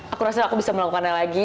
aku rasa aku bisa melakukannya lagi